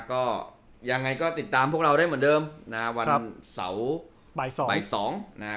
ก็ยังไงก็ติดตามพวกเราได้เหมือนเดิมนะฮะวันเสาร์บ่ายสองบ่ายสองนะฮะ